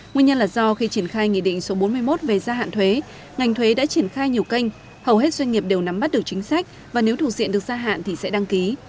nguyên nhân là do khi triển khai nghị định số bốn mươi một về gia hạn thuế ngành thuế đã triển khai nhiều kênh hầu hết doanh nghiệp đều nắm bắt được chính sách và nếu thủ diện được gia hạn thì sẽ đăng ký